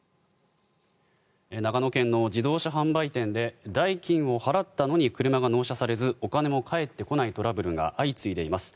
長野県の自動車販売店で代金を払ったのに車が納車されずお金も返ってこないトラブルが相次いでいます。